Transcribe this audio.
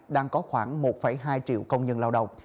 đang có khoảng một hai triệu công nhân lao động